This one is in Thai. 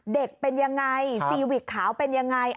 เด็กเป็นยังไงซีวิกขาวเป็นยังไง